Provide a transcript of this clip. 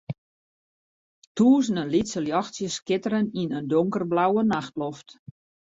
Tûzenen lytse ljochtsjes skitteren yn in donkerblauwe nachtloft.